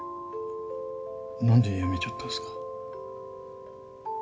なんで辞めちゃったんすか？